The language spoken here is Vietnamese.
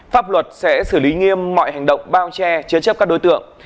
pháp luật sẽ xử lý nghiêm mọi hành động bao che chế chấp các đối tượng